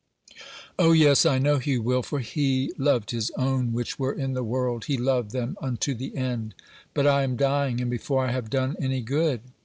"O, yes, I know he will; for he loved his own which were in the world; he loved them unto the end. But I am dying and before I have done any good."